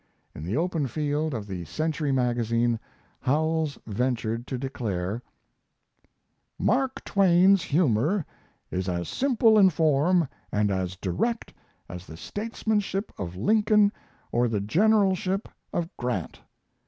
In the open field of the Century Magazine Howells ventured to declare: Mark Twain's humor is as simple in form and as direct as the statesmanship of Lincoln or the generalship of Grant.